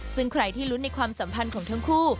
ซึ่งใครที่ลุ้นในความสัมพันธ์ของทั้งคู่